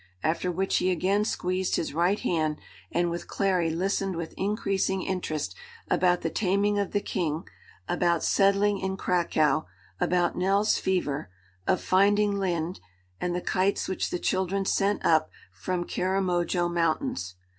after which he again squeezed his right hand, and with Clary listened with increasing interest about the taming of the King, about settling in Cracow, about Nell's fever, of finding Linde, and the kites which the children sent up from Karamojo Mountains.